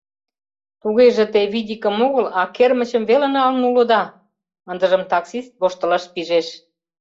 — Тугеже те видикым огыл, а кермычым веле налын улыда? — ындыжым таксист воштылаш пижеш.